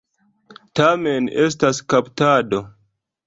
Tamen estas kaptado.